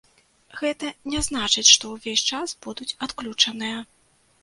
Гэта не значыць, што ўвесь час будуць адключаныя.